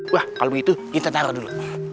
wah kalau begitu kita taruh dulu